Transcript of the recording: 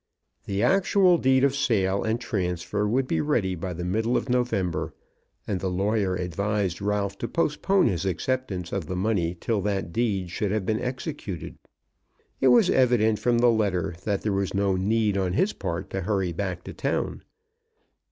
The actual deed of sale and transfer would be ready by the middle of November; and the lawyer advised Ralph to postpone his acceptance of the money till that deed should have been executed. It was evident from the letter that there was no need on his part to hurry back to town.